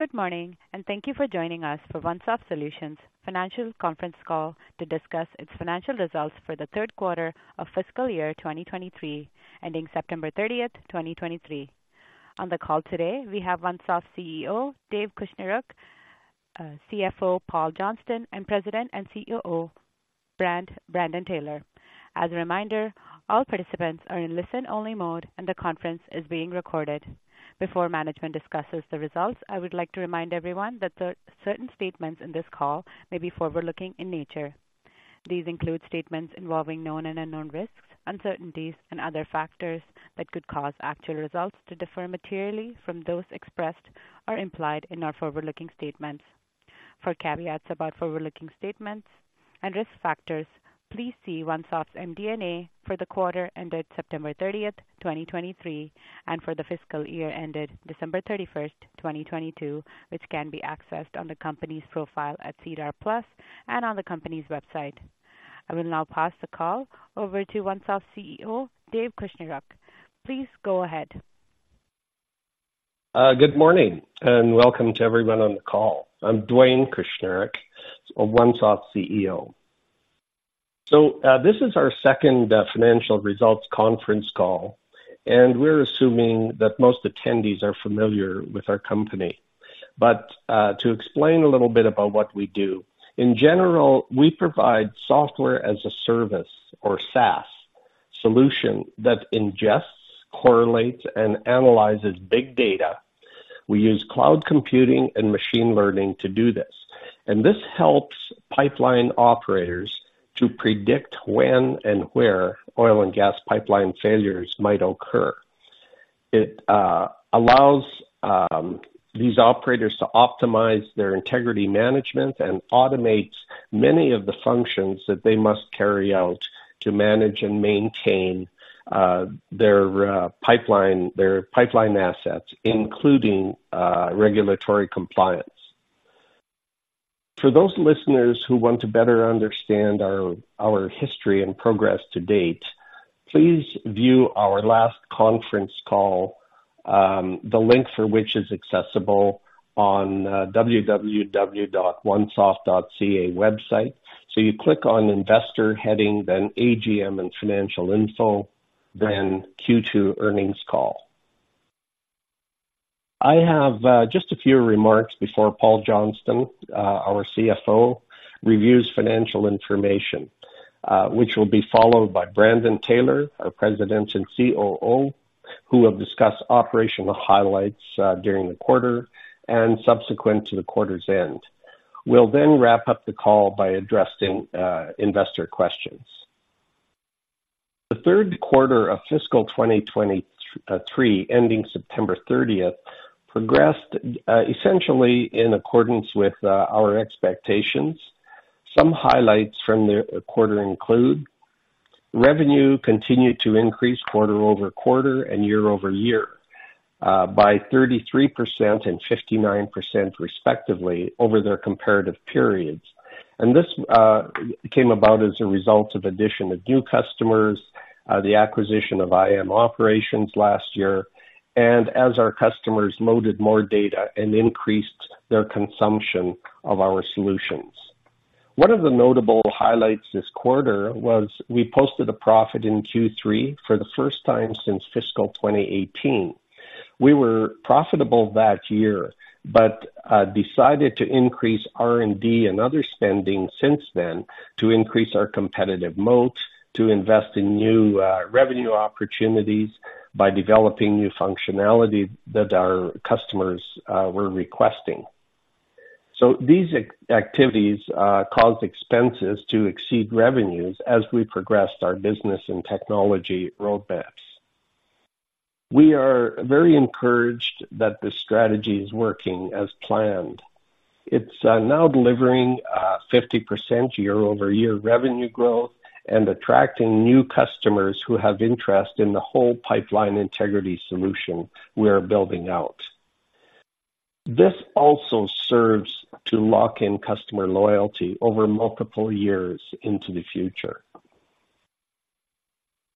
Good morning, and thank you for joining us for OneSoft Solutions Financial Conference Call to discuss its financial results for the third quarter of fiscal year 2023, ending September 30, 2023. On the call today, we have OneSoft CEO, Dwayne Kushniruk, CFO, Paul Johnston, and President and COO, Brandon Taylor. As a reminder, all participants are in listen-only mode, and the conference is being recorded. Before management discusses the results, I would like to remind everyone that certain statements in this call may be forward-looking in nature. These include statements involving known and unknown risks, uncertainties, and other factors that could cause actual results to differ materially from those expressed or implied in our forward-looking statements. For caveats about forward-looking statements and risk factors, please see OneSoft's MD&A for the quarter ended September 30, 2023, and for the fiscal year ended December 31, 2022, which can be accessed on the company's profile at SEDAR+ and on the company's website. I will now pass the call over to OneSoft's CEO, Dwayne Kushniruk. Please go ahead. Good morning, and welcome to everyone on the call. I'm Dwayne Kushniruk, OneSoft CEO. So, this is our second financial results conference call, and we're assuming that most attendees are familiar with our company. But to explain a little bit about what we do. In general, we provide Software as a Service or SaaS solution that ingests, correlates, and analyzes big data. We use cloud computing and machine learning to do this, and this helps pipeline operators to predict when and where oil and gas pipeline failures might occur. It allows these operators to optimize their integrity management and automates many of the functions that they must carry out to manage and maintain their pipeline assets, including regulatory compliance. For those listeners who want to better understand our history and progress to date, please view our last conference call, the link for which is accessible on www.onesoft.ca website. You click on Investor heading, then AGM and Financial Info, then Q2 Earnings Call. I have just a few remarks before Paul Johnston, our CFO, reviews financial information, which will be followed by Brandon Taylor, our President and COO, who will discuss operational highlights during the quarter and subsequent to the quarter's end. We'll then wrap up the call by addressing investor questions. The third quarter of fiscal 2023, ending September thirtieth, progressed essentially in accordance with our expectations. Some highlights from the quarter include: revenue continued to increase quarter-over-quarter and year-over-year by 33% and 59%, respectively, over their comparative periods. And this came about as a result of addition of new customers, the acquisition of IM Operations last year, and as our customers loaded more data and increased their consumption of our solutions. One of the notable highlights this quarter was we posted a profit in Q3 for the first time since fiscal 2018. We were profitable that year, but decided to increase R&D and other spending since then to increase our competitive moats, to invest in new revenue opportunities by developing new functionality that our customers were requesting. So these activities caused expenses to exceed revenues as we progressed our business and technology roadmaps. We are very encouraged that the strategy is working as planned. It's now delivering 50% year-over-year revenue growth and attracting new customers who have interest in the whole pipeline integrity solution we are building out. This also serves to lock in customer loyalty over multiple years into the future.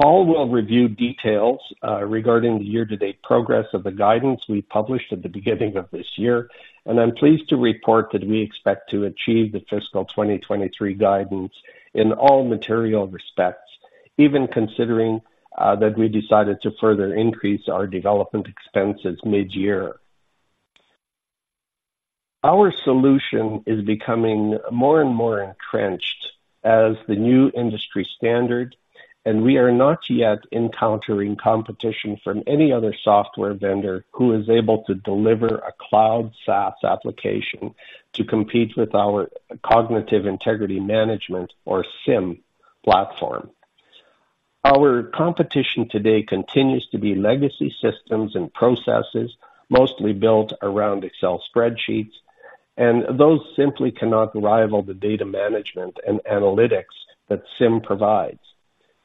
Paul will review details regarding the year-to-date progress of the guidance we published at the beginning of this year, and I'm pleased to report that we expect to achieve the fiscal 2023 guidance in all material respects, even considering that we decided to further increase our development expenses mid-year. Our solution is becoming more and more entrenched as the new industry standard, and we are not yet encountering competition from any other software vendor who is able to deliver a Cloud SaaS application to compete with our Cognitive Integrity Management, or CIM, platform. Our competition today continues to be legacy systems and processes, mostly built around Excel spreadsheets, and those simply cannot rival the data management and analytics that CIM provides.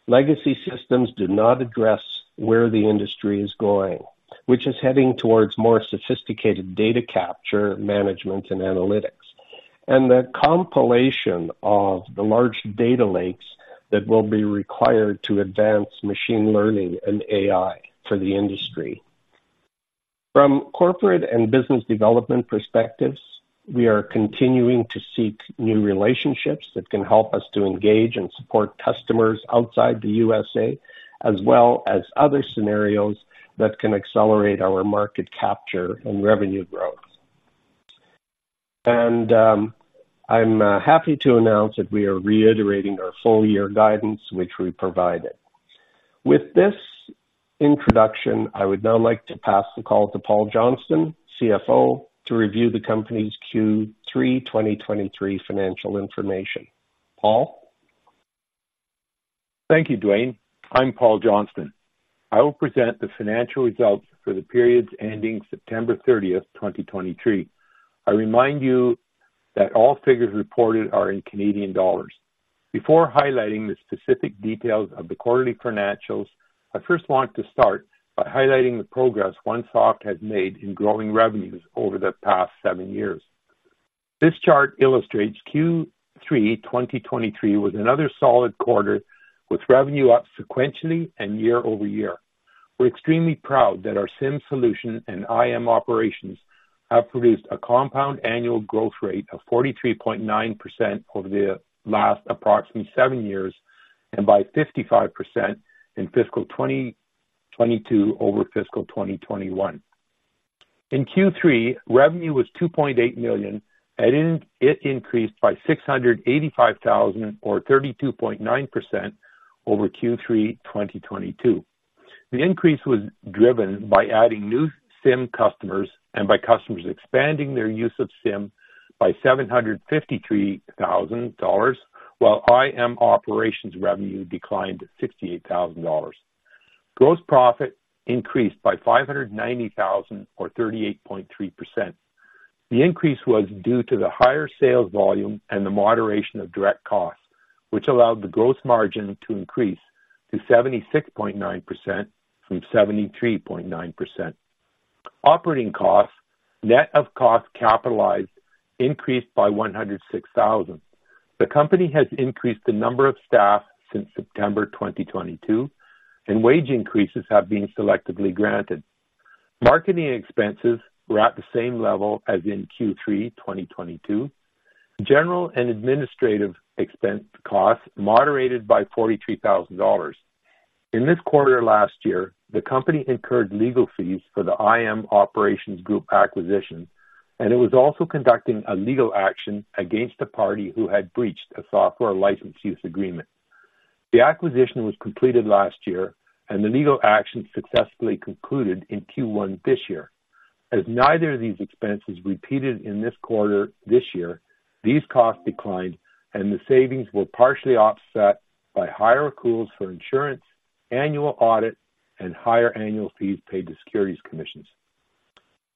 Legacy systems do not address where the industry is going, which is heading towards more sophisticated data capture, management, and analytics... and the compilation of the large data lakes that will be required to advance machine learning and AI for the industry. From corporate and business development perspectives, we are continuing to seek new relationships that can help us to engage and support customers outside the USA, as well as other scenarios that can accelerate our market capture and revenue growth. And, I'm happy to announce that we are reiterating our full year guidance, which we provided. With this introduction, I would now like to pass the call to Paul Johnston, CFO, to review the company's Q3 2023 financial information. Paul? Thank you, Dwayne. I'm Paul Johnston. I will present the financial results for the periods ending September 30, 2023. I remind you that all figures reported are in Canadian dollars. Before highlighting the specific details of the quarterly financials, I first want to start by highlighting the progress OneSoft has made in growing revenues over the past seven years. This chart illustrates Q3 2023 was another solid quarter, with revenue up sequentially and year-over-year. We're extremely proud that our CIM solution and IM Operations have produced a compound annual growth rate of 43.9% over the last approximately seven years, and by 55% in fiscal 2022 over fiscal 2021. In Q3, revenue was 2.8 million, and it increased by 685,000 or 32.9% over Q3 2022. The increase was driven by adding new CIM customers and by customers expanding their use of CIM by 753,000 dollars, while IM Operations revenue declined to 68,000 dollars. Gross profit increased by 590,000 or 38.3%. The increase was due to the higher sales volume and the moderation of direct costs, which allowed the gross margin to increase to 76.9% from 73.9%. Operating costs, net of costs capitalized, increased by 106,000. The company has increased the number of staff since September 2022, and wage increases have been selectively granted. Marketing expenses were at the same level as in Q3 2022. General and administrative expense costs moderated by 43,000 dollars. In this quarter last year, the company incurred legal fees for the IM Operations acquisition, and it was also conducting a legal action against a party who had breached a software license use agreement. The acquisition was completed last year, and the legal action successfully concluded in Q1 this year. As neither of these expenses repeated in this quarter this year, these costs declined, and the savings were partially offset by higher accruals for insurance, annual audit, and higher annual fees paid to securities commissions.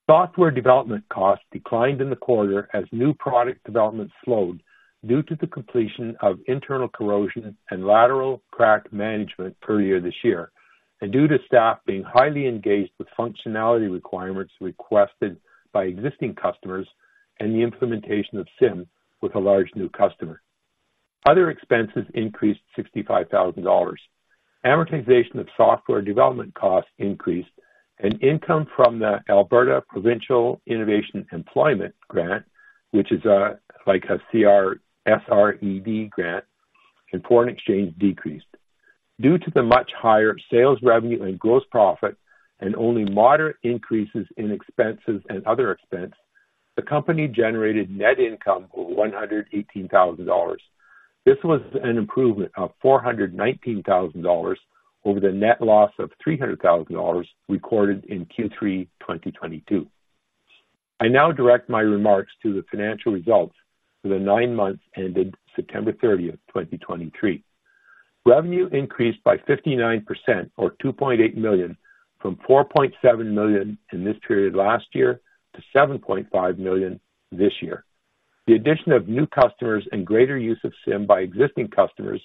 Software development costs declined in the quarter as new product development slowed due to the completion of internal corrosion and lateral crack management per year this year, and due to staff being highly engaged with functionality requirements requested by existing customers and the implementation of CIM with a large new customer. Other expenses increased 65,000 dollars. Amortization of software development costs increased, and income from the Alberta Provincial Innovation Employment Grant, which is, like a SR&ED grant, and foreign exchange decreased. Due to the much higher sales revenue and gross profit and only moderate increases in expenses and other expense, the company generated net income of 118,000 dollars. This was an improvement of 419,000 dollars over the net loss of 300,000 dollars recorded in Q3 2022. I now direct my remarks to the financial results for the nine months ended September 30, 2023. Revenue increased by 59% or 2.8 million, from 4.7 million in this period last year to 7.5 million this year. The addition of new customers and greater use of CIM by existing customers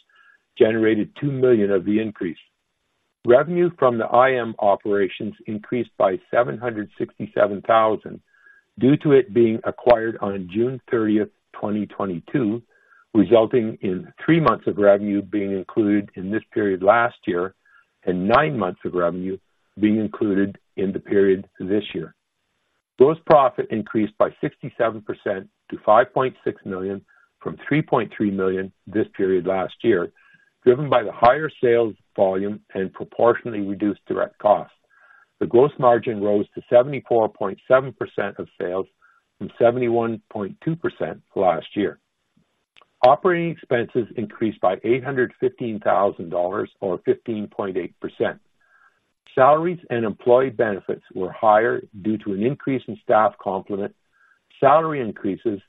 generated 2 million of the increase. Revenue from the IM Operations increased by 767,000 due to it being acquired on June 30, 2022, resulting in three months of revenue being included in this period last year and nine months of revenue being included in the period this year. Gross profit increased by 67% to 5.6 million from 3.3 million this period last year, driven by the higher sales volume and proportionately reduced direct costs. The gross margin rose to 74.7% of sales, from 71.2% last year. Operating expenses increased by 815,000 dollars, or 15.8%. Salaries and employee benefits were higher due to an increase in staff complement, salary increases,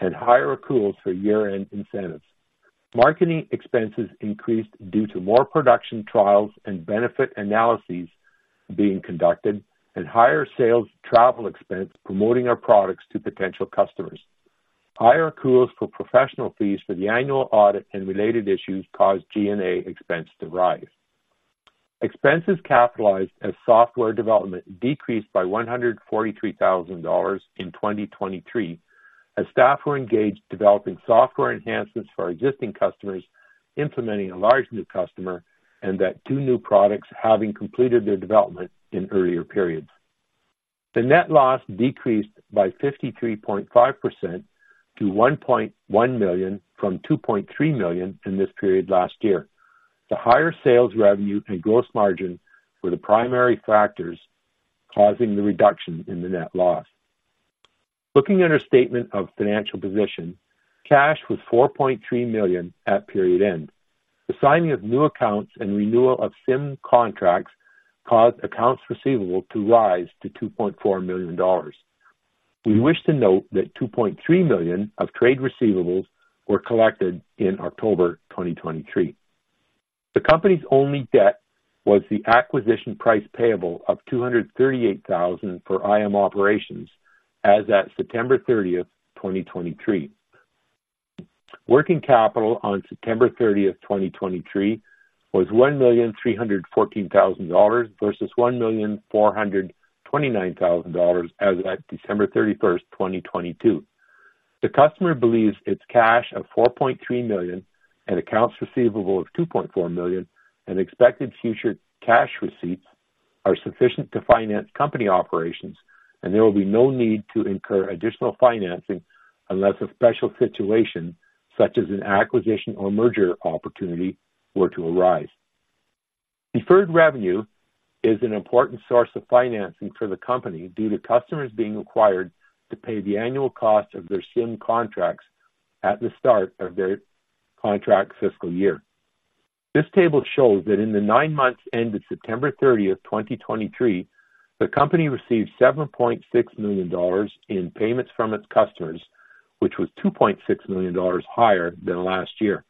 and higher accruals for year-end incentives. Marketing expenses increased due to more production trials and benefit analyses being conducted, and higher sales travel expenses promoting our products to potential customers. Higher accruals for professional fees for the annual audit and related issues caused G&A expenses to rise. Expenses capitalized as software development decreased by 143,000 dollars in 2023, as staff were engaged developing software enhancements for our existing customers, implementing a large new customer, and that two new products having completed their development in earlier periods. The net loss decreased by 53.5% to 1.1 million from 2.3 million in this period last year. The higher sales revenue and gross margin were the primary factors causing the reduction in the net loss. Looking at our statement of financial position, cash was 4.3 million at period end. The signing of new accounts and renewal of CIM contracts caused accounts receivable to rise to 2.4 million dollars. We wish to note that 2.3 million of trade receivables were collected in October 2023. The company's only debt was the acquisition price payable of 238,000 for IM Operations as at September 30, 2023. Working capital on September 30, 2023, was 1,314,000 dollars, versus 1,429,000 dollars as at December 31, 2022. The company believes its cash of 4.3 million and accounts receivable of 2.4 million and expected future cash receipts are sufficient to finance company operations, and there will be no need to incur additional financing unless a special situation, such as an acquisition or merger opportunity, were to arise. Deferred revenue is an important source of financing for the company, due to customers being required to pay the annual cost of their CIM contracts at the start of their contract fiscal year. This table shows that in the nine months ended September 30, 2023, the company received 7.6 million dollars in payments from its customers, which was 2.6 million dollars higher than last year.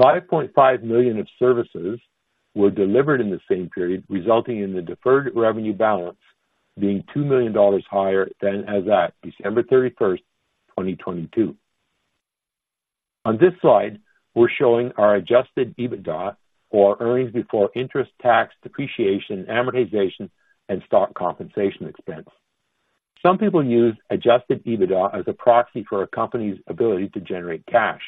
5.5 million of services were delivered in the same period, resulting in the deferred revenue balance being 2 million dollars higher than as at December 31, 2022. On this slide, we're showing our adjusted EBITDA, or earnings before interest, tax, depreciation, amortization, and stock compensation expense. Some people use adjusted EBITDA as a proxy for a company's ability to generate cash.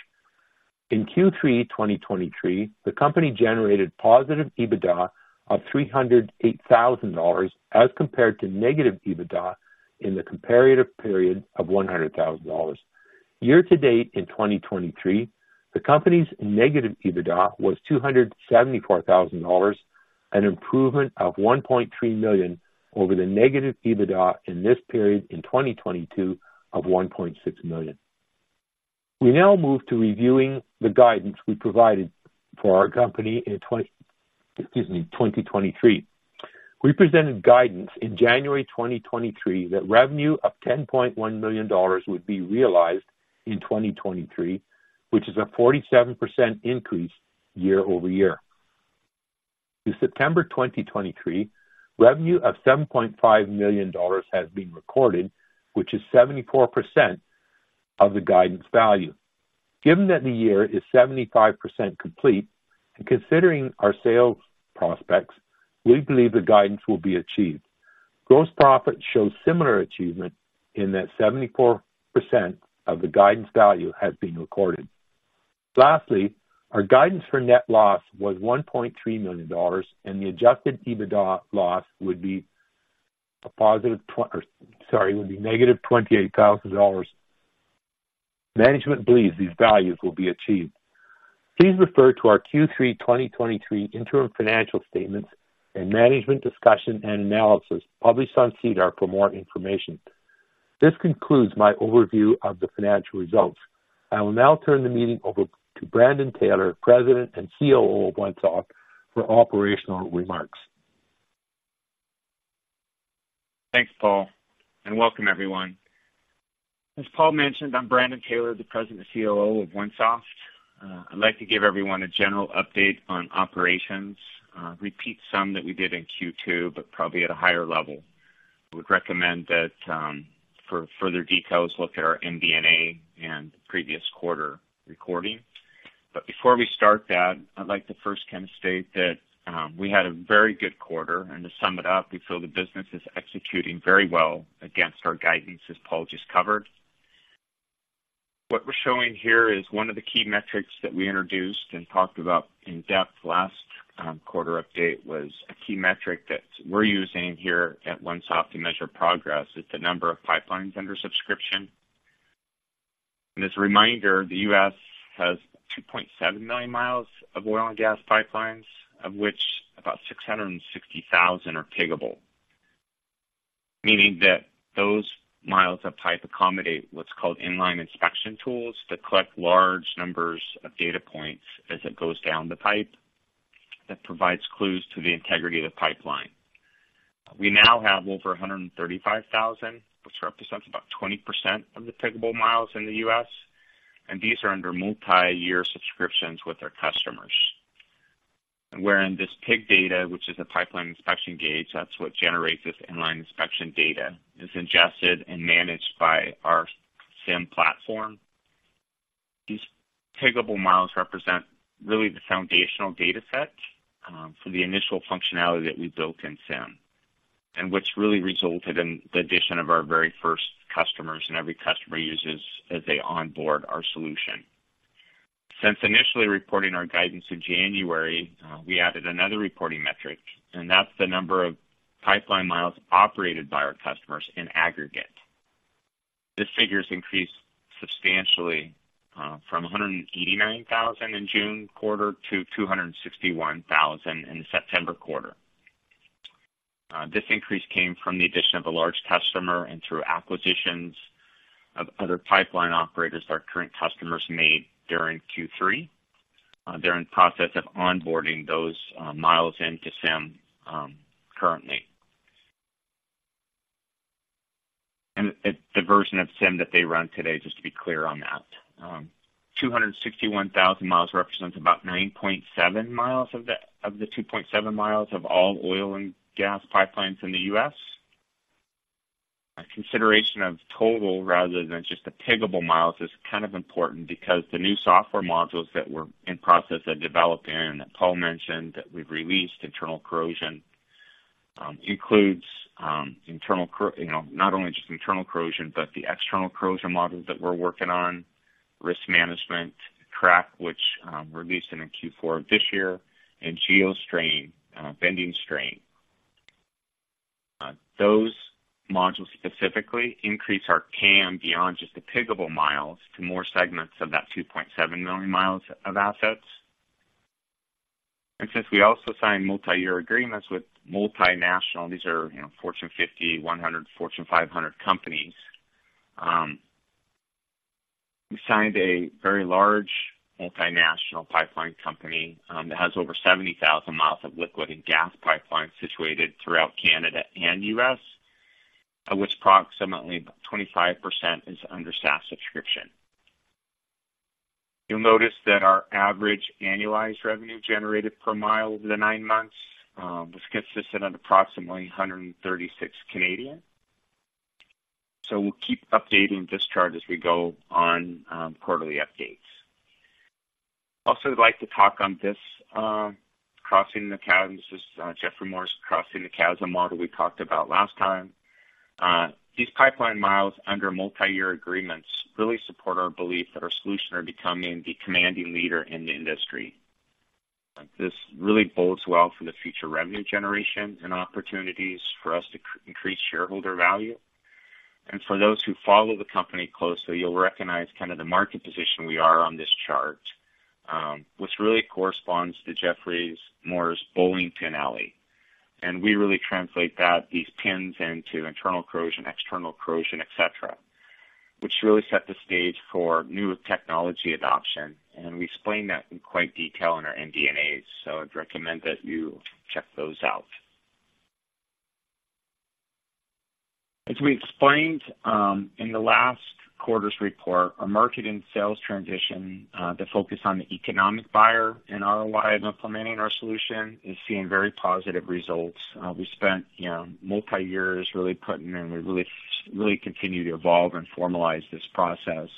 In Q3 2023, the company generated positive EBITDA of 308,000 dollars, as compared to negative EBITDA in the comparative period of 100,000 dollars. Year to date, in 2023, the company's negative EBITDA was 274,000 dollars, an improvement of 1.3 million over the negative EBITDA in this period in 2022 of 1.6 million. We now move to reviewing the guidance we provided for our company in 2023. We presented guidance in January 2023, that revenue of 10.1 million dollars would be realized in 2023, which is a 47% increase year-over-year. Through September 2023, revenue of 7.5 million dollars has been recorded, which is 74% of the guidance value. Given that the year is 75% complete, and considering our sales prospects, we believe the guidance will be achieved. Gross profit shows similar achievement in that 74% of the guidance value has been recorded. Lastly, our guidance for net loss was 1.3 million dollars, and the adjusted EBITDA loss would be negative 28 thousand dollars. Management believes these values will be achieved. Please refer to our Q3 2023 interim financial statements and management discussion and analysis published on SEDAR for more information. This concludes my overview of the financial results. I will now turn the meeting over to Brandon Taylor, President and COO of OneSoft, for operational remarks. Thanks, Paul, and welcome, everyone. As Paul mentioned, I'm Brandon Taylor, the President and COO of OneSoft. I'd like to give everyone a general update on operations, repeat some that we did in Q2, but probably at a higher level. I would recommend that, for further details, look at our MD&A and previous quarter recording. But before we start that, I'd like to first kinda state that, we had a very good quarter, and to sum it up, we feel the business is executing very well against our guidance, as Paul just covered. What we're showing here is one of the key metrics that we introduced and talked about in depth last quarter update, was a key metric that we're using here at OneSoft to measure progress, is the number of pipelines under subscription. As a reminder, the U.S. has 2.7 million miles of oil and gas pipelines, of which about 660,000 are Piggable, meaning that those miles of pipe accommodate what's called in-line inspection tools that collect large numbers of data points as it goes down the pipe, that provides clues to the integrity of the pipeline. We now have over 135,000, which represents about 20% of the Piggable miles in the U.S., and these are under multiyear subscriptions with our customers. Wherein this PIG data, which is a pipeline inspection gauge, that's what generates this in-line inspection data, is ingested and managed by our CIM platform.... These Piggable miles represent really the foundational data set for the initial functionality that we built in CIM, and what's really resulted in the addition of our very first customers, and every customer uses as they onboard our solution. Since initially reporting our guidance in January, we added another reporting metric, and that's the number of pipeline miles operated by our customers in aggregate. This figure has increased substantially from 189,000 in June quarter to 261,000 in the September quarter. This increase came from the addition of a large customer and through acquisitions of other pipeline operators our current customers made during Q3. They're in process of onboarding those miles into CIM currently. The version of CIM that they run today, just to be clear on that, 261,000 miles represents about 9.7% of the 2.7 million miles of all oil and gas pipelines in the U.S. A consideration of total, rather than just the Piggable miles, is kind of important because the new software modules that we're in process of developing, and Paul mentioned that we've released internal corrosion includes. You know, not only just internal corrosion, but the external corrosion modules that we're working on, risk management track, which released in Q4 of this year, and geohazard bending strain. Those modules specifically increase our CIM beyond just the Piggable miles to more segments of that 2.7 million miles of assets. Since we also signed multi-year agreements with multinational, these are, you know, Fortune 50, 100, Fortune 500 companies. We signed a very large multinational pipeline company, that has over 70,000 miles of liquid and gas pipelines situated throughout Canada and U.S., of which approximately 25% is under SaaS subscription. You'll notice that our average annualized revenue generated per mile over the 9 months was consistent at approximately 136. So we'll keep updating this chart as we go on, quarterly updates. Also, I'd like to talk on this, crossing the chasm. This is, Geoffrey Moore's Crossing the Chasm model we talked about last time. These pipeline miles under multiyear agreements really support our belief that our solution are becoming the commanding leader in the industry. This really bodes well for the future revenue generation and opportunities for us to increase shareholder value. For those who follow the company closely, you'll recognize kind of the market position we are on this chart, which really corresponds to Geoffrey Moore's bowling pin alley. And we really translate that, these pins, into internal corrosion, external corrosion, et cetera, which really set the stage for new technology adoption, and we explain that in quite detail in our MD&As, so I'd recommend that you check those out. As we explained in the last quarter's report, our market and sales transition that focus on the economic buyer and ROI of implementing our solution is seeing very positive results. We spent, you know, multi years really putting in, we really, really continue to evolve and formalize this process.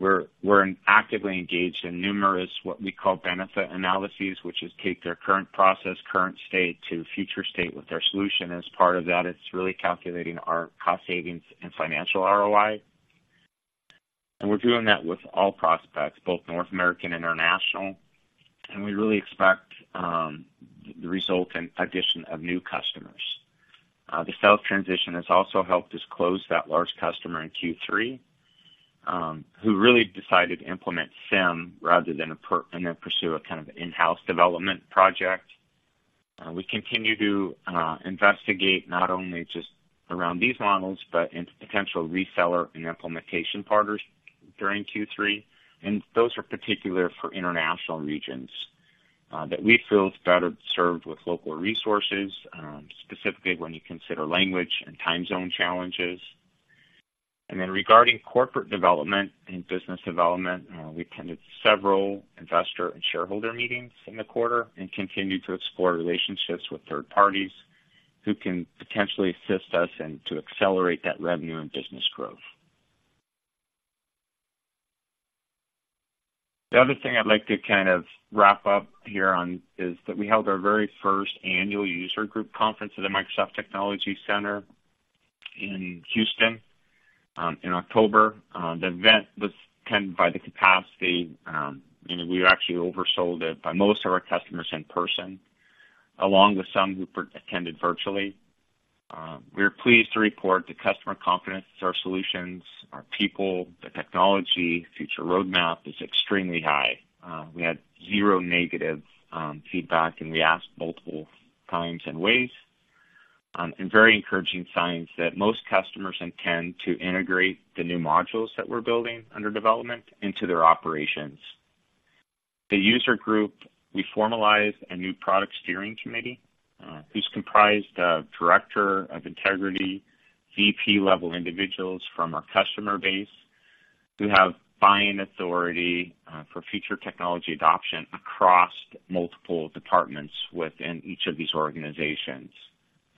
We're actively engaged in numerous what we call benefit analyses, which is take their current process, current state, to future state with their solution. As part of that, it's really calculating our cost savings and financial ROI. We're doing that with all prospects, both North American and international. We really expect the result in addition of new customers. The sales transition has also helped us close that large customer in Q3, who really decided to implement CIM rather than pursue a kind of in-house development project. We continue to investigate not only just around these models, but into potential reseller and implementation partners during Q3. Those are particular for international regions that we feel is better served with local resources, specifically when you consider language and time zone challenges. Then regarding corporate development and business development, we attended several investor and shareholder meetings in the quarter and continued to explore relationships with third parties who can potentially assist us and to accelerate that revenue and business growth. The other thing I'd like to kind of wrap up here on is that we held our very first annual user group conference at the Microsoft Technology Center in Houston, in October. The event was attended to capacity, and we actually oversold it, by most of our customers in person, along with some who attended virtually. We are pleased to report the customer confidence, our solutions, our people, the technology, future roadmap is extremely high. We had zero negative feedback, and we asked multiple times and ways, and very encouraging signs that most customers intend to integrate the new modules that we're building under development into their operations. The user group, we formalized a new product steering committee, who's comprised of Director of Integrity, VP-level individuals from our customer base, who have buying authority, for future technology adoption across multiple departments within each of these organizations...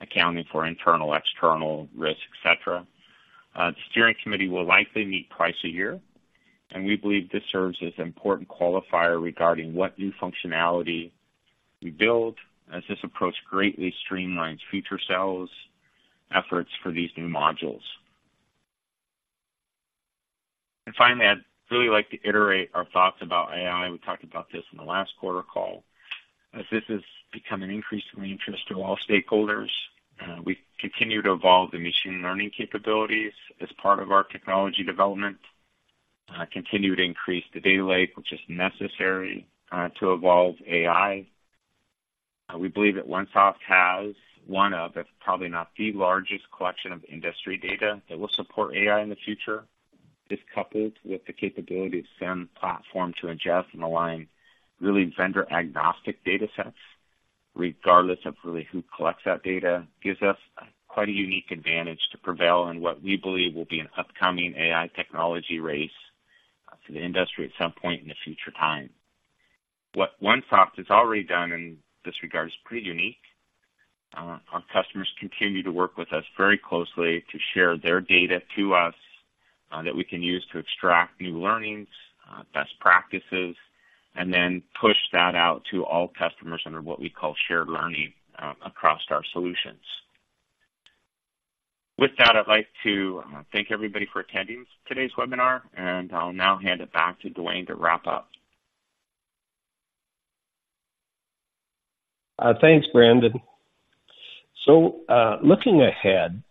accounting for internal, external risk, et cetera. The steering committee will likely meet twice a year, and we believe this serves as an important qualifier regarding what new functionality we build, as this approach greatly streamlines future sales efforts for these new modules. And finally, I'd really like to iterate our thoughts about AI. We talked about this in the last quarter call. As this has become an increasing interest to all stakeholders, we continue to evolve the machine learning capabilities as part of our technology development, continue to increase the data lake, which is necessary, to evolve AI. We believe that OneSoft has one of, if probably not the largest collection of industry data that will support AI in the future. This, coupled with the capability of CIM platform to ingest and align really vendor-agnostic data sets, regardless of really who collects that data, gives us quite a unique advantage to prevail in what we believe will be an upcoming AI technology race for the industry at some point in the future. What OneSoft has already done in this regard is pretty unique. Our customers continue to work with us very closely to share their data to us, that we can use to extract new learnings, best practices, and then push that out to all customers under what we call shared learning, across our solutions. With that, I'd like to thank everybody for attending today's webinar, and I'll now hand it back to Dwayne to wrap up. Thanks, Brandon. So, looking ahead,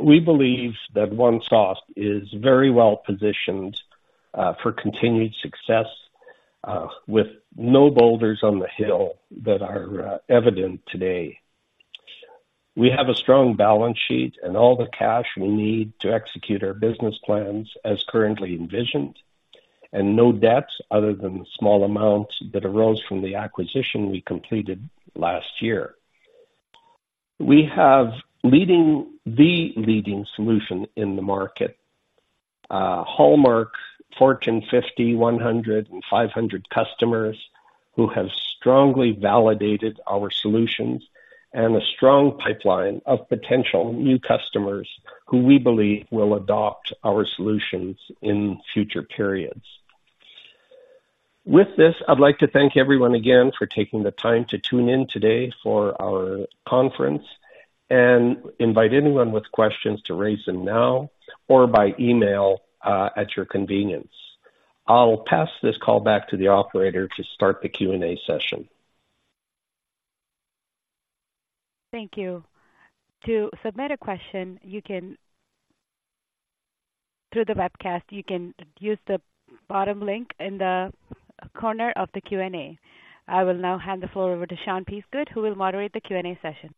we believe that OneSoft is very well positioned, for continued success, with no boulders on the hill that are, evident today. We have a strong balance sheet and all the cash we need to execute our business plans as currently envisioned, and no debts other than the small amounts that arose from the acquisition we completed last year. We have leading—the leading solution in the market, hallmark Fortune 50, 100, and 500 customers who have strongly validated our solutions, and a strong pipeline of potential new customers who we believe will adopt our solutions in future periods. With this, I'd like to thank everyone again for taking the time to tune in today for our conference and invite anyone with questions to raise them now or by email, at your convenience. I'll pass this call back to the operator to start the Q&A session. Thank you. To submit a question, you can... Through the webcast, you can use the bottom link in the corner of the Q&A. I will now hand the floor over to Sean Peasgood, who will moderate the Q&A session.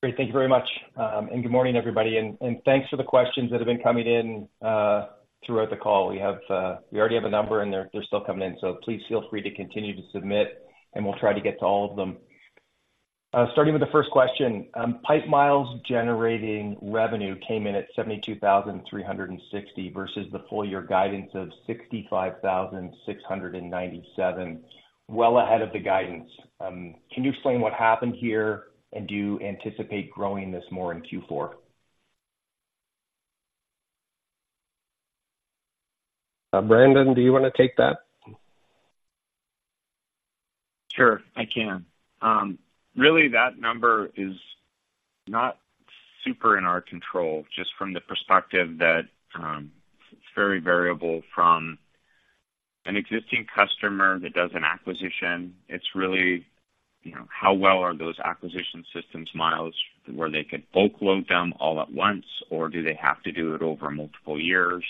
Great. Thank you very much. And good morning, everybody, and thanks for the questions that have been coming in throughout the call. We already have a number, and they're still coming in, so please feel free to continue to submit, and we'll try to get to all of them. Starting with the first question, pipe miles generating revenue came in at 72,360 versus the full year guidance of 65,697, well ahead of the guidance. Can you explain what happened here, and do you anticipate growing this more in Q4? Brandon, do you wanna take that? Sure, I can. Really, that number is not super in our control, just from the perspective that it's very variable from an existing customer that does an acquisition. It's really, you know, how well are those acquisition systems miles, where they could bulk load them all at once, or do they have to do it over multiple years?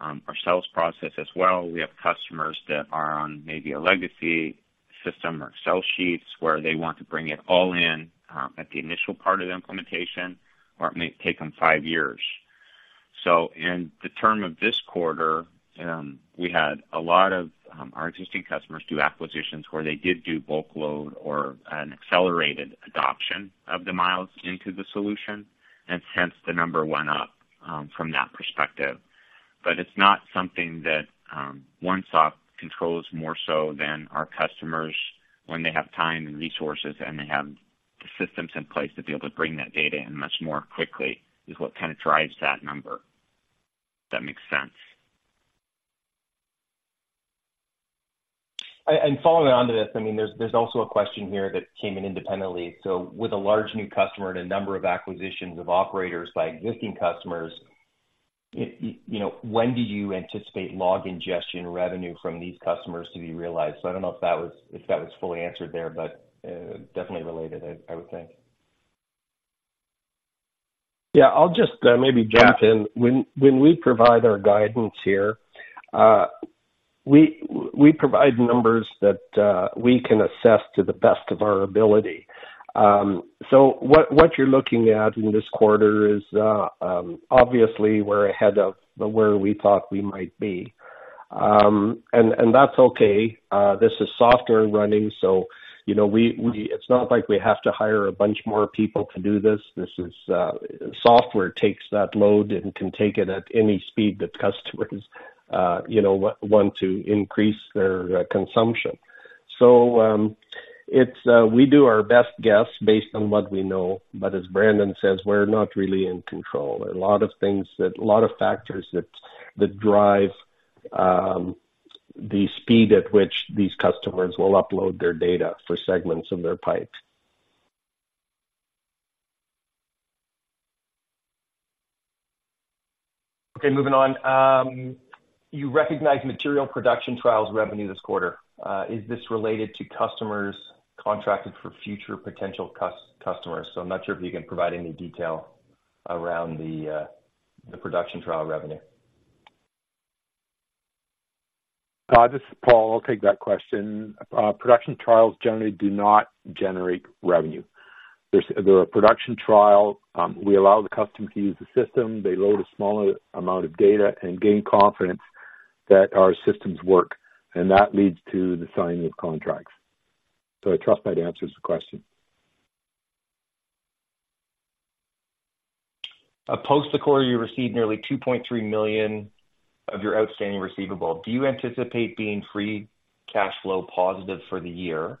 Our sales process as well, we have customers that are on maybe a legacy system or Excel sheets, where they want to bring it all in at the initial part of the implementation, or it may take them five years. So in the term of this quarter, we had a lot of our existing customers do acquisitions where they did do bulk load or an accelerated adoption of the miles into the solution, and hence the number went up from that perspective. It's not something that OneSoft controls more so than our customers when they have time and resources, and they have the systems in place to be able to bring that data in much more quickly, is what kind of drives that number. If that makes sense. And following on to this, I mean, there's also a question here that came in independently. So with a large new customer and a number of acquisitions of operators by existing customers, you know, when do you anticipate log ingestion revenue from these customers to be realized? So I don't know if that was fully answered there, but definitely related, I would think. Yeah, I'll just maybe jump in. When we provide our guidance here, we provide numbers that we can assess to the best of our ability. So what you're looking at in this quarter is obviously we're ahead of where we thought we might be. And that's okay. This is software running, so you know, It's not like we have to hire a bunch more people to do this. This is software takes that load and can take it at any speed that customers you know want to increase their consumption. So it's we do our best guess based on what we know. But as Brandon says, we're not really in control. A lot of factors that drive the speed at which these customers will upload their data for segments of their pipes. Okay, moving on. You recognize material production trials revenue this quarter. Is this related to customers contracted for future potential customers? So I'm not sure if you can provide any detail around the production trial revenue. This is Paul. I'll take that question. Production trials generally do not generate revenue. There, they're a production trial. We allow the customer to use the system. They load a smaller amount of data and gain confidence that our systems work, and that leads to the signing of contracts. So I trust that answers the question. Post the quarter, you received nearly 2.3 million of your outstanding receivable. Do you anticipate being free cash flow positive for the year?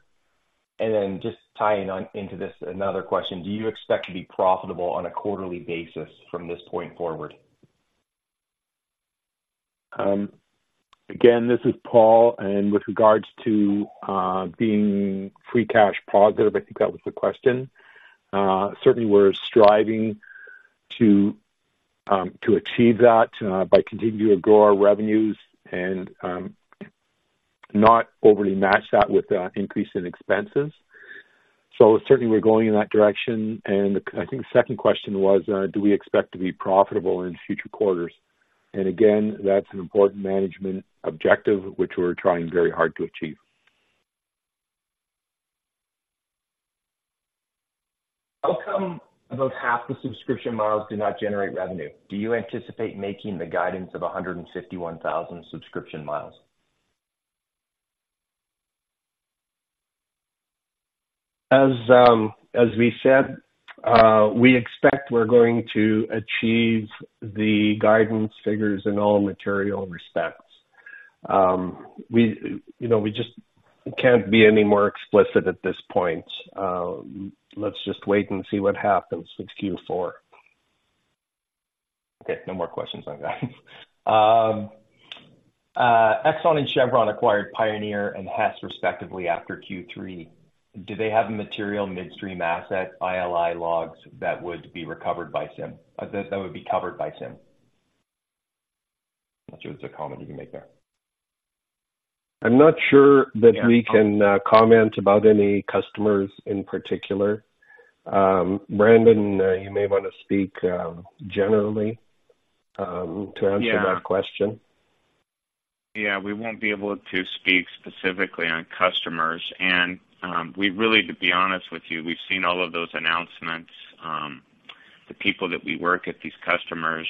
Then just tying on into this, another question: Do you expect to be profitable on a quarterly basis from this point forward? Again, this is Paul, and with regards to being free cash positive, I think that was the question. Certainly, we're striving to achieve that by continuing to grow our revenues and not overly match that with increase in expenses. So certainly, we're going in that direction. And I think the second question was, do we expect to be profitable in future quarters? And again, that's an important management objective, which we're trying very hard to achieve. How come about half the subscription miles do not generate revenue? Do you anticipate making the guidance of 151,000 subscription miles? As we said, we expect we're going to achieve the guidance figures in all material respects. We, you know, we just can't be any more explicit at this point. Let's just wait and see what happens with Q4. Okay, no more questions on that. Exxon and Chevron acquired Pioneer and Hess, respectively, after Q3. Do they have a material midstream asset, ILI logs, that would be recovered by CIM, that would be covered by CIM? Not sure there's a comment you can make there. I'm not sure that we can comment about any customers in particular. Brandon, you may wanna speak generally to answer that question. Yeah. Yeah, we won't be able to speak specifically on customers. And, we really, to be honest with you, we've seen all of those announcements. The people that we work with, these customers,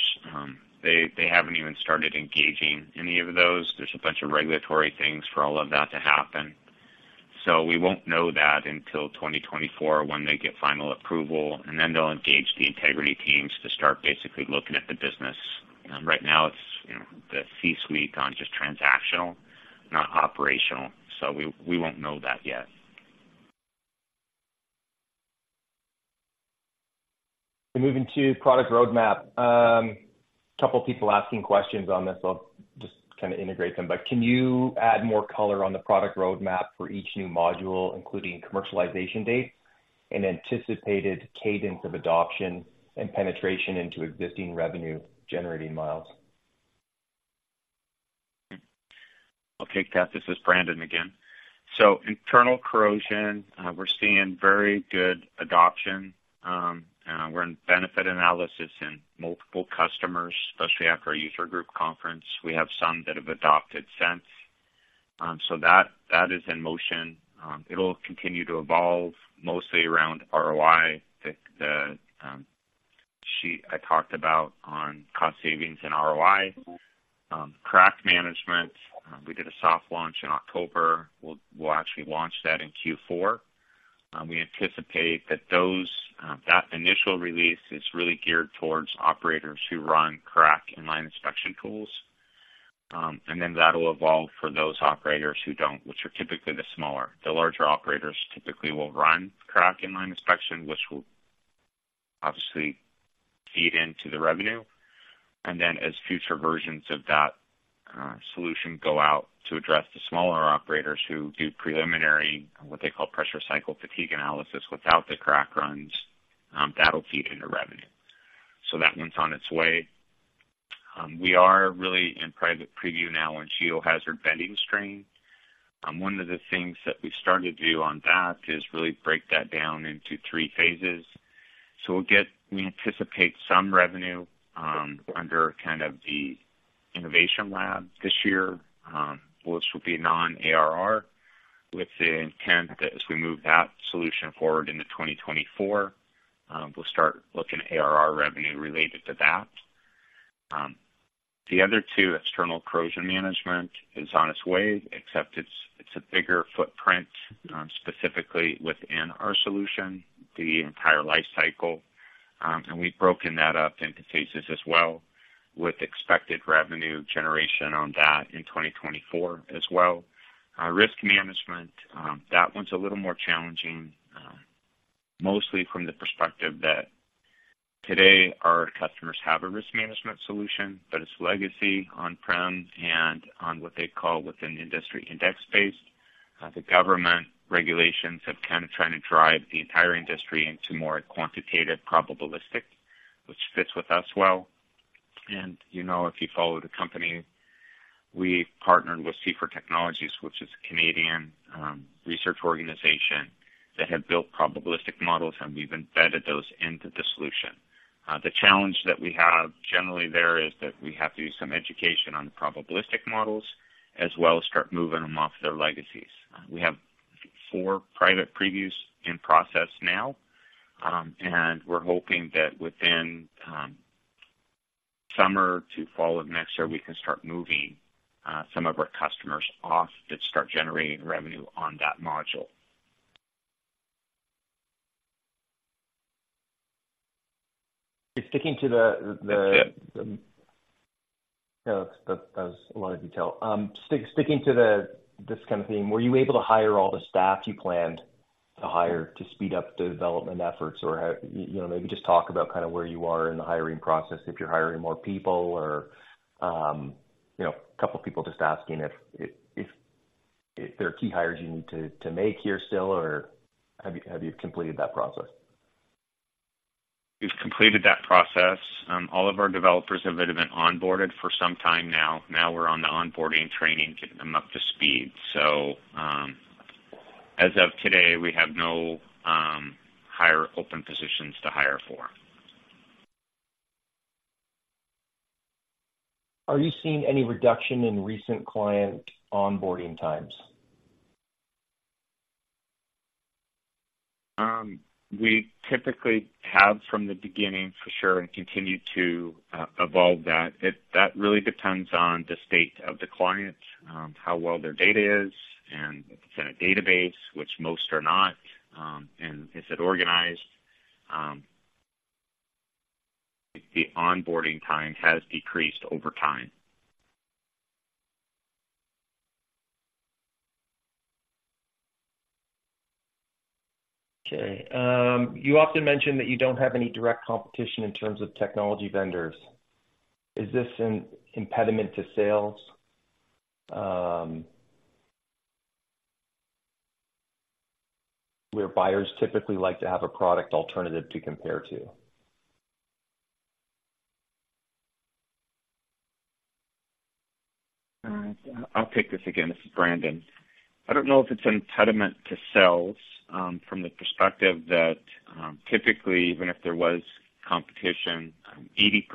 they, they haven't even started engaging any of those. There's a bunch of regulatory things for all of that to happen. So we won't know that until 2024, when they get final approval, and then they'll engage the integrity teams to start basically looking at the business. Right now, it's, you know, the C-suite on just transactional, not operational, so we, we won't know that yet. Moving to product roadmap. A couple people asking questions on this, so I'll just kinda integrate them. But can you add more color on the product roadmap for each new module, including commercialization dates and anticipated cadence of adoption and penetration into existing revenue-generating miles? I'll take that. This is Brandon again. So internal corrosion, we're seeing very good adoption. We're in Benefit Analysis in multiple customers, especially after our user group conference. We have some that have adopted since. So that, that is in motion. It'll continue to evolve mostly around ROI, the sheet I talked about on cost savings and ROI. Crack management, we did a soft launch in October. We'll, we'll actually launch that in Q4. We anticipate that those, that initial release is really geared towards operators who run crack inline inspection tools. And then that'll evolve for those operators who don't, which are typically the smaller. The larger operators typically will run crack inline inspection, which will obviously feed into the revenue. And then as future versions of that solution go out to address the smaller operators who do preliminary, what they call Pressure Cycle Fatigue Analysis, without the crack runs, that'll feed into revenue. So that one's on its way. We are really in private preview now on Geohazard Bending Strain. One of the things that we've started to do on that is really break that down into three phases. So we'll get... We anticipate some revenue under kind of the innovation lab this year, which will be non-ARR, with the intent that as we move that solution forward into 2024, we'll start looking at ARR revenue related to that. The other two, external corrosion management is on its way, except it's a bigger footprint, specifically within our solution, the entire life cycle. And we've broken that up into phases as well, with expected revenue generation on that in 2024 as well. Risk management, that one's a little more challenging, mostly from the perspective that today our customers have a risk management solution, but it's legacy on-prem and on what they call within the industry, index-based. The government regulations have kind of trying to drive the entire industry into more quantitative probabilistic, which fits with us well. And, you know, if you follow the company, we've partnered with C-FER Technologies, which is a Canadian research organization that have built probabilistic models, and we've embedded those into the solution. The challenge that we have generally there is that we have to do some education on the probabilistic models as well as start moving them off their legacies. We have four private previews in process now, and we're hoping that within summer to fall of next year, we can start moving some of our customers off to start generating revenue on that module. Sticking to the Yeah. You know, that was a lot of detail. Sticking to this kind of theme, were you able to hire all the staff you planned to hire to speed up the development efforts? Or, you know, maybe just talk about kind of where you are in the hiring process, if you're hiring more people or, you know, a couple people just asking if there are key hires you need to make here still, or have you completed that process? We've completed that process. All of our developers have been onboarded for some time now. Now we're on the onboarding training, getting them up to speed. So, as of today, we have no hire open positions to hire for. Are you seeing any reduction in recent client onboarding times? We typically have from the beginning for sure, and continue to evolve that. That really depends on the state of the client, how well their data is, and if it's in a database, which most are not, and is it organized? The onboarding time has decreased over time. Okay. You often mention that you don't have any direct competition in terms of technology vendors. Is this an impediment to sales, where buyers typically like to have a product alternative to compare to? I'll take this again. This is Brandon. I don't know if it's an impediment to sales, from the perspective that, typically, even if there was competition, 80%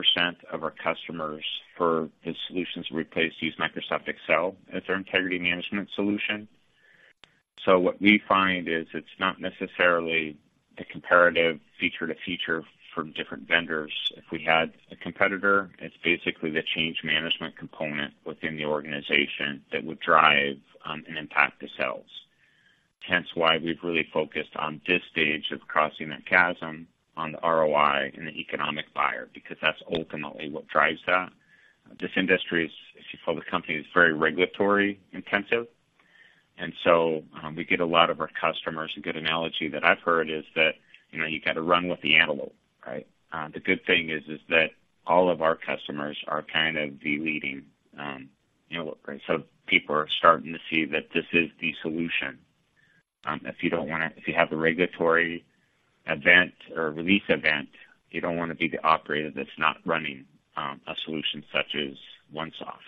of our customers for the solutions we replace use Microsoft Excel as their integrity management solution. So what we find is it's not necessarily the comparative feature to feature from different vendors. If we had a competitor, it's basically the change management component within the organization that would drive, and impact the sales. Hence, why we've really focused on this stage of crossing that chasm on the ROI and the economic buyer, because that's ultimately what drives that. This industry is, if you follow the company, is very regulatory intensive, and so, we get a lot of our customers. A good analogy that I've heard is that, you know, you got to run with the antelope, right? The good thing is that all of our customers are kind of the leading, you know. So people are starting to see that this is the solution. If you don't want to—if you have a regulatory event or release event, you don't want to be the operator that's not running a solution such as OneSoft.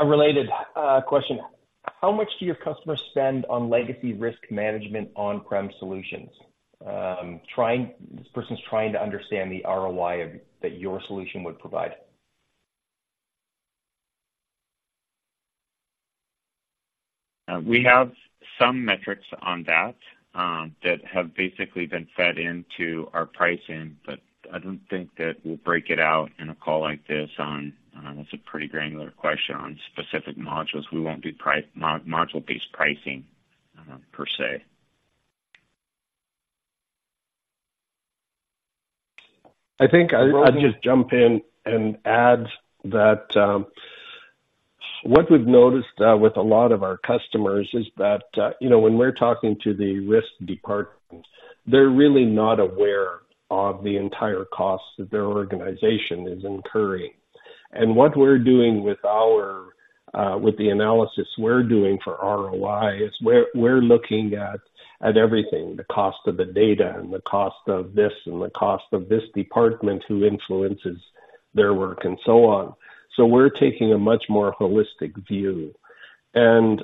A related question: How much do your customers spend on legacy risk management on-prem solutions? This person's trying to understand the ROI of that your solution would provide. We have some metrics on that that have basically been fed into our pricing, but I don't think that we'll break it out in a call like this on. That's a pretty granular question on specific modules. We won't do module-based pricing, per se. I think I'll just jump in and add that what we've noticed with a lot of our customers is that you know, when we're talking to the risk departments, they're really not aware of the entire cost that their organization is incurring. And what we're doing with the analysis we're doing for ROI is we're looking at everything, the cost of the data and the cost of this, and the cost of this department, who influences their work, and so on. So we're taking a much more holistic view. And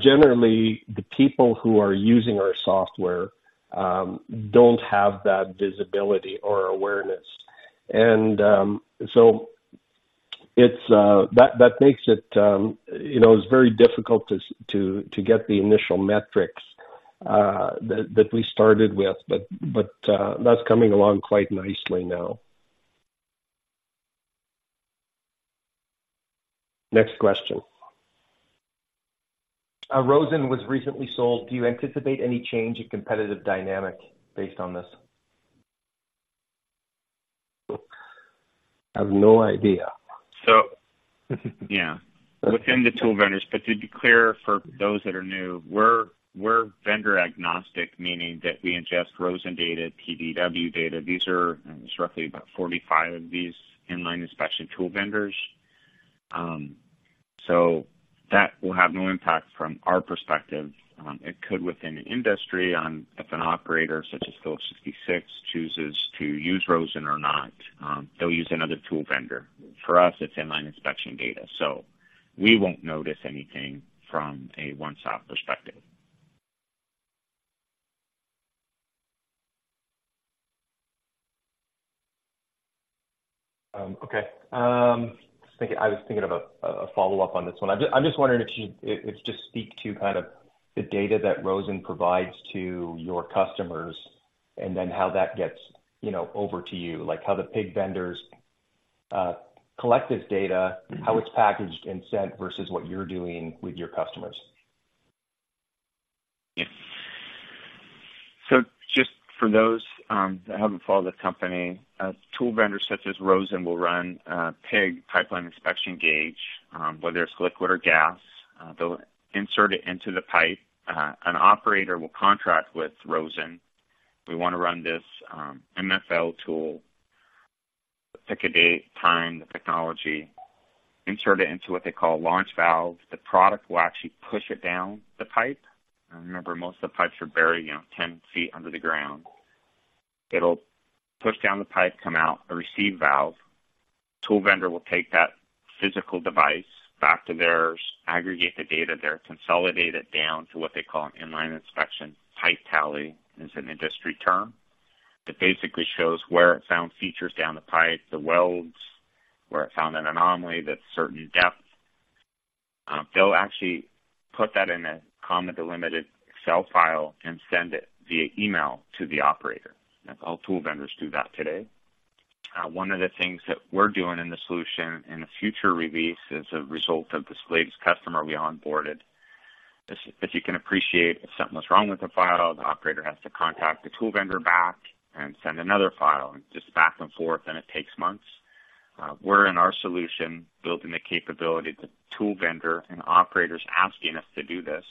generally, the people who are using our software don't have that visibility or awareness. And so it's that that makes it you know, it's very difficult to get the initial metrics that we started with. But that's coming along quite nicely now... Next question. Rosen was recently sold. Do you anticipate any change in competitive dynamic based on this? I have no idea. So, yeah, within the tool vendors, but to be clear, for those that are new, we're vendor agnostic, meaning that we ingest Rosen data, PDW data. These are, there's roughly about 45 of these in-line inspection tool vendors. So that will have no impact from our perspective. It could within the industry on if an operator such as Phillips 66 chooses to use Rosen or not, they'll use another tool vendor. For us, it's in-line inspection data, so we won't notice anything from a OneSoft perspective. Okay. I was thinking of a follow-up on this one. I'm just wondering if you just speak to kind of the data that Rosen provides to your customers and then how that gets, you know, over to you, like, how the pig vendors collect this data, how it's packaged and sent versus what you're doing with your customers. Yeah. So just for those that haven't followed the company, tool vendors such as Rosen will run pig pipeline inspection gauge, whether it's liquid or gas, they'll insert it into the pipe. An operator will contract with Rosen. We want to run this MFL tool. Pick a date, time, the technology, insert it into what they call a launch valve. The product will actually push it down the pipe. And remember, most of the pipes are buried, you know, ten feet under the ground. It'll push down the pipe, come out a receive valve. Tool vendor will take that physical device back to theirs, aggregate the data there, consolidate it down to what they call an in-line inspection. Pipe tally is an industry term that basically shows where it found features down the pipe, the welds, where it found an anomaly, that certain depth. They'll actually put that in a comma delimited Excel file and send it via email to the operator. All tool vendors do that today. One of the things that we're doing in the solution in a future release is a result of this latest customer we onboarded. If, if you can appreciate, if something was wrong with the file, the operator has to contact the tool vendor back and send another file and just back and forth, and it takes months. We're in our solution, building the capability, the tool vendor and operators asking us to do this,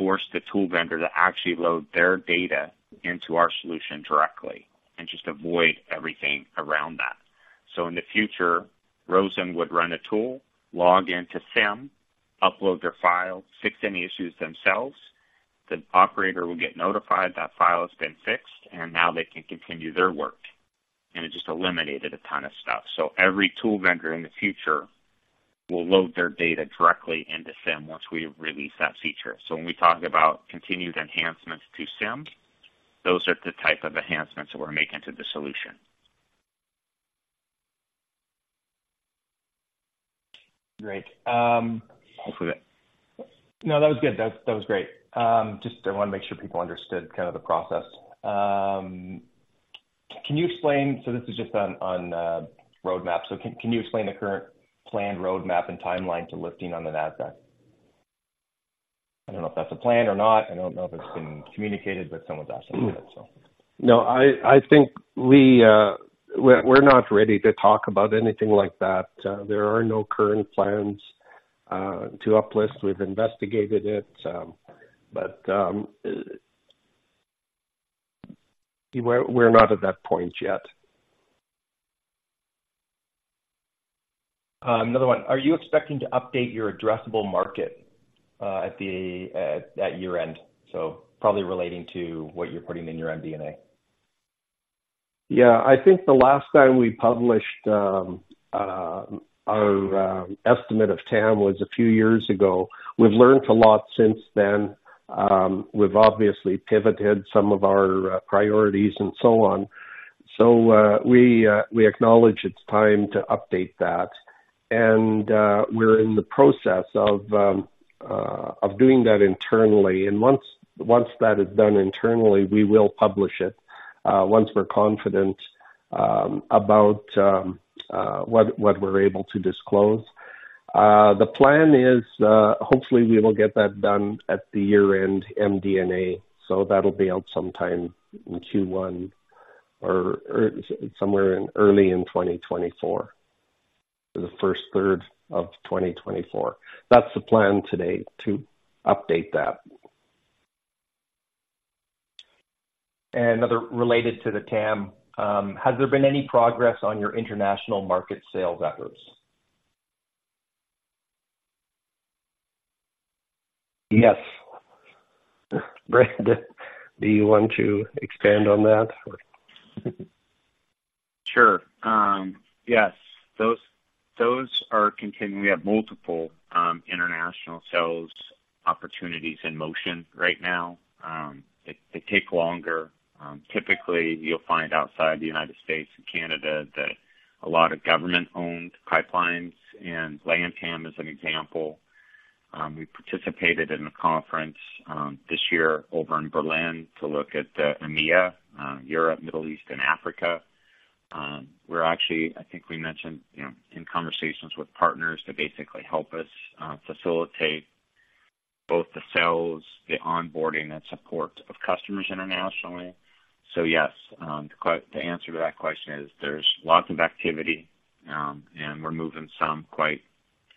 force the tool vendor to actually load their data into our solution directly and just avoid everything around that. So in the future, Rosen would run a tool, log into CIM, upload their file, fix any issues themselves. The operator will get notified that file has been fixed, and now they can continue their work, and it just eliminated a ton of stuff. So every tool vendor in the future will load their data directly into CIM once we release that feature. So when we talk about continued enhancements to CIM, those are the type of enhancements that we're making to the solution. Great. Um. Hopefully that- No, that was good. That was great. Just, I want to make sure people understood kind of the process. Can you explain... So this is just on roadmap. So can you explain the current planned roadmap and timeline to listing on the NASDAQ? I don't know if that's a plan or not. I don't know if it's been communicated, but someone's asking it, so. No, I think we're not ready to talk about anything like that. There are no current plans to uplist. We've investigated it, but we're not at that point yet. Another one: Are you expecting to update your addressable market at year-end? So probably relating to what you're putting in your MD&A. Yeah, I think the last time we published our estimate of TAM was a few years ago. We've learned a lot since then. We've obviously pivoted some of our priorities and so on. So, we acknowledge it's time to update that, and we're in the process of doing that internally. Once that is done internally, we will publish it once we're confident about what we're able to disclose. The plan is, hopefully, we will get that done at the year-end MD&A, so that'll be out sometime in Q1 or somewhere in early 2024, the first third of 2024. That's the plan today to update that. Another related to the TAM. Has there been any progress on your international market sales efforts? Yes. Brad, do you want to expand on that or? Sure. Yes, those, those are continuing. We have multiple, international sales opportunities in motion right now. They, they take longer. Typically, you'll find outside the United States and Canada that a lot of government-owned pipelines, and LATAM is an example. We participated in a conference, this year over in Berlin to look at, EMEA, Europe, Middle East, and Africa.... We're actually, I think we mentioned, you know, in conversations with partners to basically help us, facilitate both the sales, the onboarding, and support of customers internationally. So yes, the answer to that question is there's lots of activity, and we're moving some quite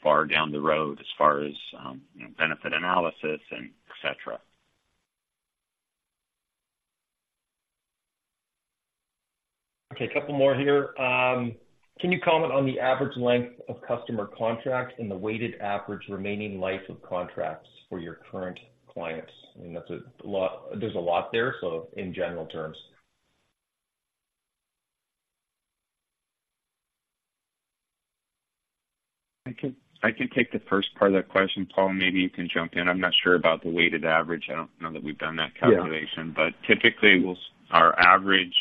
far down the road as far as, you know, Benefit Analysis and et cetera. Okay, a couple more here. Can you comment on the average length of customer contracts and the weighted average remaining life of contracts for your current clients? I mean, that's a lot. There's a lot there, so in general terms. I can, I can take the first part of that question, Paul. Maybe you can jump in. I'm not sure about the weighted average. I don't know that we've done that calculation. Yeah. Typically, our average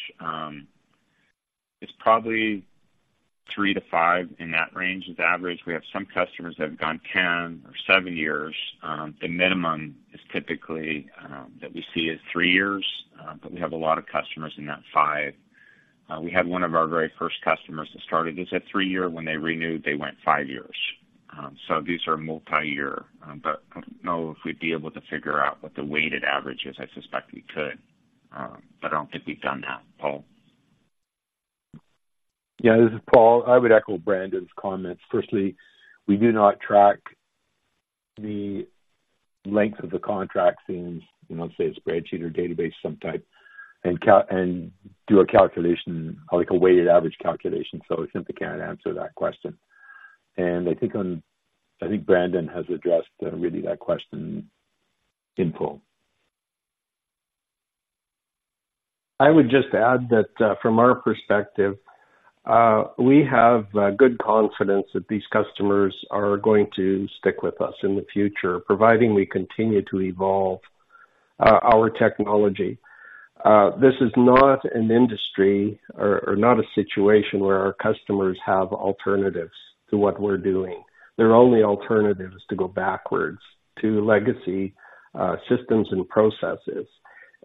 is probably three-five, in that range is average. We have some customers that have gone 10 or seven years. The minimum is typically that we see is three years, but we have a lot of customers in that five. We had one of our very first customers that started as a three-year. When they renewed, they went five years. So these are multiyear, but I don't know if we'd be able to figure out what the weighted average is. I suspect we could, but I don't think we've done that. Paul? Yeah, this is Paul. I would echo Brandon's comments. Firstly, we do not track the length of the contract in, you know, say, a spreadsheet or database of some type and do a calculation, like a weighted average calculation, so we simply cannot answer that question. And I think Brandon has addressed really that question in full. I would just add that, from our perspective, we have good confidence that these customers are going to stick with us in the future, providing we continue to evolve our technology. This is not an industry or not a situation where our customers have alternatives to what we're doing. Their only alternative is to go backwards to legacy systems and processes,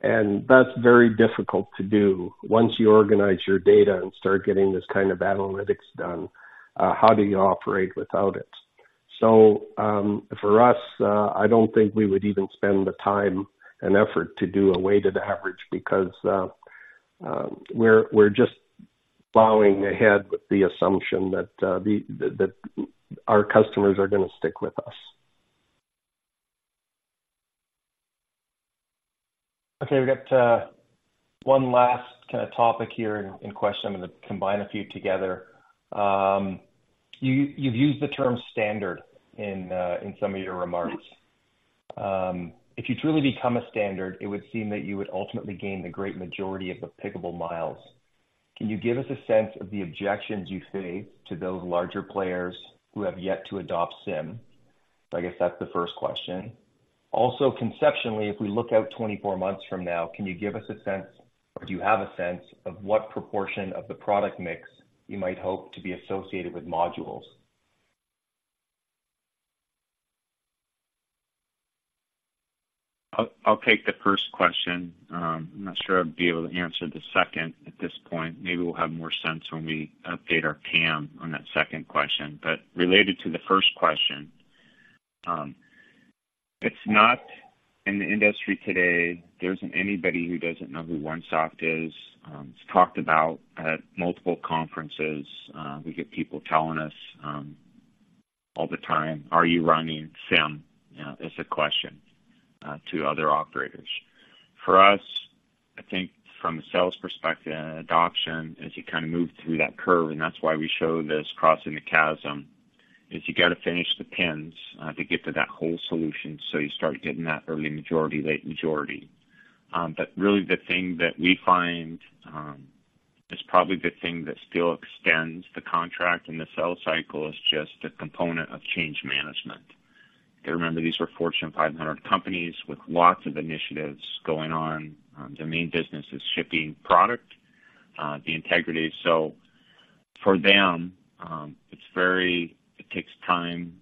and that's very difficult to do. Once you organize your data and start getting this kind of analytics done, how do you operate without it? So, for us, I don't think we would even spend the time and effort to do a weighted average because, we're just plowing ahead with the assumption that our customers are gonna stick with us. Okay, we've got one last kind of topic here and question. I'm gonna combine a few together. You've used the term standard in some of your remarks. If you truly become a standard, it would seem that you would ultimately gain the great majority of the Piggable miles. Can you give us a sense of the objections you face to those larger players who have yet to adopt CIM? I guess that's the first question. Also, conceptually, if we look out 24 months from now, can you give us a sense, or do you have a sense of what proportion of the product mix you might hope to be associated with modules? I'll take the first question. I'm not sure I'd be able to answer the second at this point. Maybe we'll have more sense when we update our TAM on that second question. But related to the first question, it's not in the industry today. There isn't anybody who doesn't know who OneSoft is. It's talked about at multiple conferences. We get people telling us all the time, "Are you running CIM?" You know, as a question to other operators. For us, I think from a sales perspective and adoption, as you kind of move through that curve, and that's why we show this crossing the chasm, is you got to finish the pins to get to that whole solution, so you start getting that early majority, late majority. But really the thing that we find is probably the thing that still extends the contract and the sales cycle is just a component of change management. You remember, these were Fortune 500 companies with lots of initiatives going on. Their main business is shipping product, the integrity. So for them, it's very... It takes time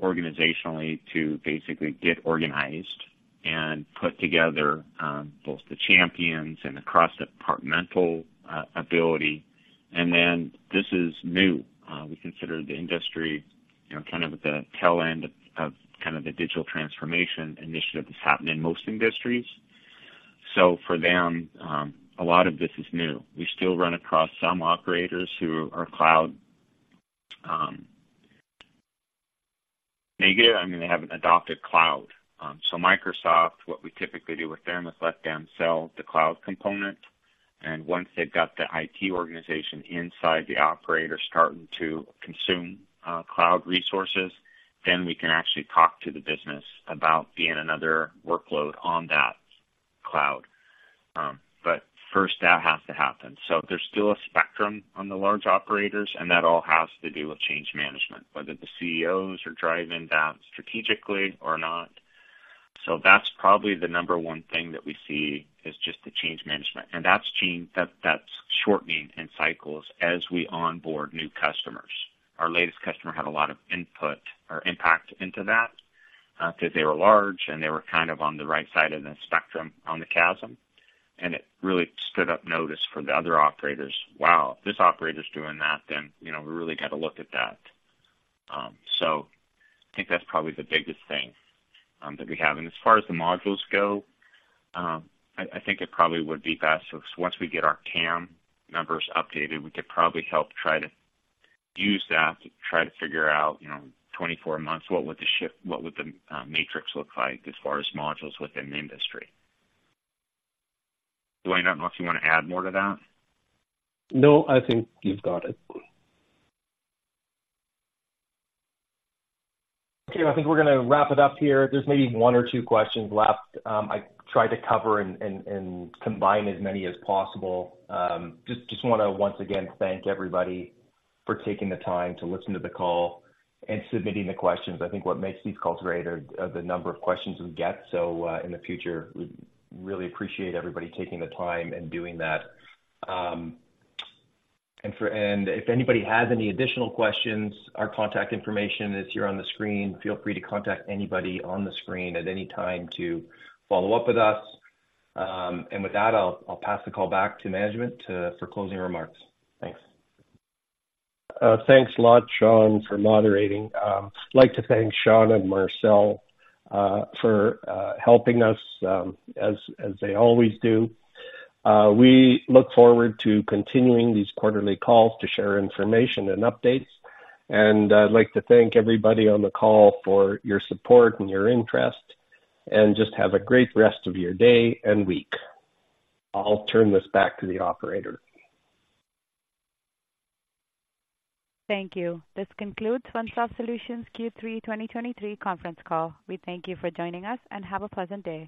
organizationally to basically get organized and put together both the champions and the cross-departmental ability. And then this is new. We consider the industry, you know, kind of at the tail end of kind of the digital transformation initiative that's happening in most industries. So for them, a lot of this is new. We still run across some operators who are cloud negative. I mean, they haven't adopted cloud. So Microsoft, what we typically do with them is let them sell the cloud component, and once they've got the IT organization inside, the operator starting to consume cloud resources, then we can actually talk to the business about being another workload on that cloud. But first, that has to happen. So there's still a spectrum on the large operators, and that all has to do with change management, whether the CEOs are driving that strategically or not. So that's probably the number one thing that we see, is just the change management, and that's shortening in cycles as we onboard new customers. Our latest customer had a lot of input or impact into that. because they were large, and they were kind of on the right side of the spectrum, on the chasm, and it really stood up notice for the other operators. Wow, this operator's doing that, then, you know, we really got to look at that. I think that's probably the biggest thing that we have. And as far as the modules go, I think it probably would be best if once we get our TAM numbers updated, we could probably help try to use that to try to figure out, you know, 24 months, what would the matrix look like as far as modules within the industry? Dwayne, I don't know if you want to add more to that. No, I think you've got it. Okay, I think we're gonna wrap it up here. There's maybe one or two questions left. I tried to cover and combine as many as possible. Just wanna, once again, thank everybody for taking the time to listen to the call and submitting the questions. I think what makes these calls great are the number of questions we get. In the future, we really appreciate everybody taking the time and doing that. If anybody has any additional questions, our contact information is here on the screen. Feel free to contact anybody on the screen at any time to follow up with us. With that, I'll pass the call back to management for closing remarks. Thanks. Thanks a lot, Sean, for moderating. I'd like to thank Sean and Marcel for helping us, as they always do. We look forward to continuing these quarterly calls to share information and updates. I'd like to thank everybody on the call for your support and your interest, and just have a great rest of your day and week. I'll turn this back to the operator. Thank you. This concludes OneSoft Solutions' Q3 2023 conference call. We thank you for joining us, and have a pleasant day.